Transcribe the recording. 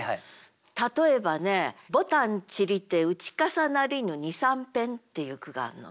例えばね「牡丹散りて打かさなりぬ二三片」っていう句があんの。